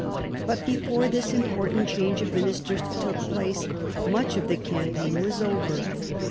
But before this important change of ministers took place, much of the campaign was over.